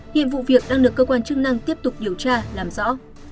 hiện vụ việc đang được cơ quan chức năng tiếp tục điều tra làm rõ